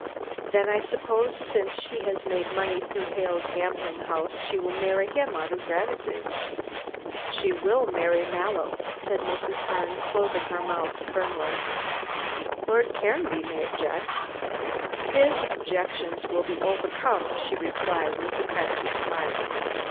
"Then I suppose since she has made money through Hale's gambling house she will marry him out of gratitude." "She will marry Mallow," said Mrs. Herne, closing her mouth firmly. "Lord Caranby may object." "His objections will be overcome," she replied, with a crafty smile.